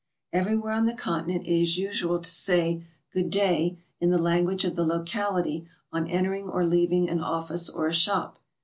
Everywhere on the Continent it is usual to say "Good day" in the language of the locality on entering or leaving an ofiflce or a shop.